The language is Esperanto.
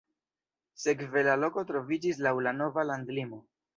Sekve la loko troviĝis laŭ la nova landlimo.